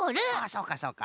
そうかそうか。